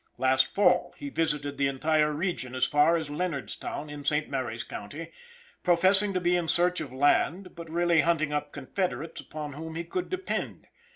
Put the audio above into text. Last fall he visited the entire region, as far as Leonardstown, in St. Mary's county, professing to be in search of land but really hunting up confederates upon whom he could depend.